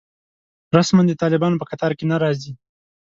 رسماً د طالبانو په کتار کې نه راځي.